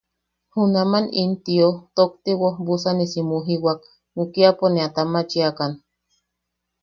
Junaman in tio tokti woobusanisi mujiwak, mukiapo ne a tamachiakan.